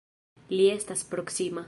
Li estas proksima!